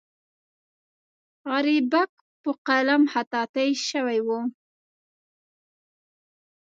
غریبک په قلم خطاطي شوې وه.